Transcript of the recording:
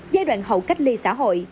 giai đoạn hậu cách ly xã hội